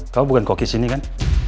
kamu bukan kokis ini kan